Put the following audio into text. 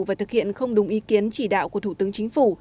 và thực hiện không đúng ý kiến chỉ đạo của thủ tướng chính phủ